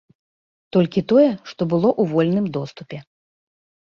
Толькі тое, што было ў вольным доступе.